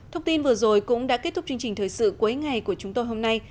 thông tin vừa rồi cũng đã kết thúc chương trình thời sự cuối ngày của chúng tôi hôm nay